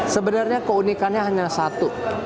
sebenarnya keunikannya hanya satu